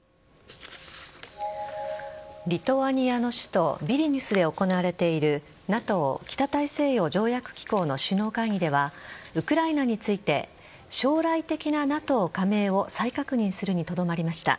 リトアニアの首都ビリニュスで行われているＮＡＴＯ＝北大西洋条約機構の首脳会議ではウクライナについて将来的なＮＡＴＯ加盟を再確認するにとどまりました。